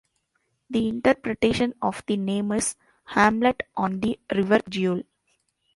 The interpretation of the name is "hamlet on the river Geul".